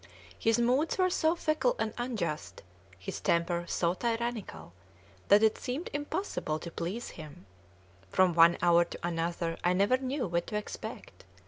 His moods were so fickle and unjust, his temper so tyrannical, that it seemed impossible to please him; from one hour to another I never knew what to expect.